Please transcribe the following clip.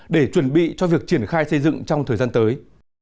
để chuẩn bị cho việc triển khai xây dựng trong thời gian tới